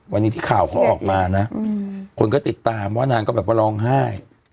วันนี้ที่ข่าวเขาออกมานะคนก็ติดตามว่านางก็แบบว่าร้องไห้